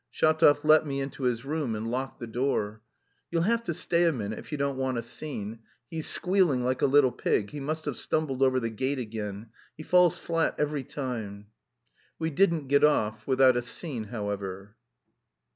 Shatov let me into his room and locked the door. "You'll have to stay a minute if you don't want a scene. He's squealing like a little pig, he must have stumbled over the gate again. He falls flat every time." We didn't get off without a scene, however.